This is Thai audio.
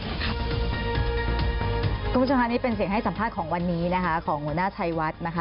คุณผู้ชมค่ะนี่เป็นเสียงให้สัมภาษณ์ของวันนี้นะคะของหัวหน้าชัยวัดนะคะ